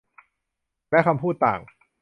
และคำพูดต่าง